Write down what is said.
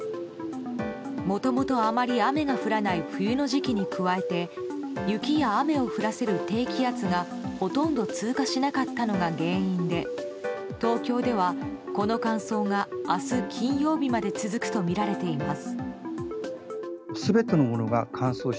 もともとあまり雨が降らない冬の時期に加えて雪や雨を降らせる低気圧がほとんど通過しなかったのが原因で東京ではこの乾燥が明日金曜日まで続くとみられてます。